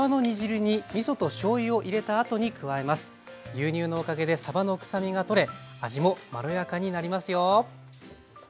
牛乳のおかげでさばの臭みがとれ味もまろやかになりますよ。